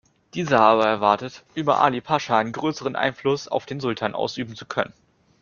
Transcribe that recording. Dieser habe erwartet, über Ali Pascha größeren Einfluss auf den Sultan ausüben zu können.